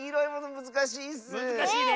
むずかしいね。